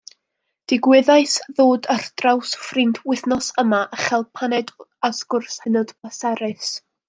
Digwyddais ddod ar draws ffrind wythnos yma a chael paned a sgwrs hynod bleserus.